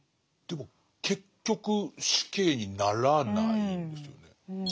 でも結局死刑にならないんですよね。